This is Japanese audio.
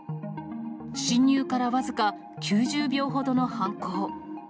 侵入から僅か９０秒ほどの犯行。